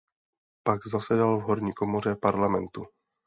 Pak zasedal v horní komoře parlamentu.